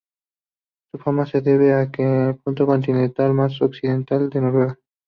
Su fama se debe a que es el punto continental más occidental de Noruega.